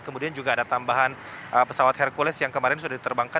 kemudian juga ada tambahan pesawat hercules yang kemarin sudah diterbangkan